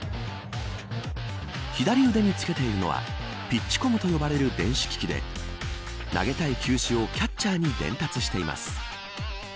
左腕に着けているのはピッチコムと呼ばれる電子機器で投げたい球種をキャッチャーに伝達しています。